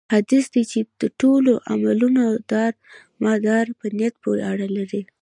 حديث دی چې: د ټولو عملونو دار مدار په نيت پوري اړه لري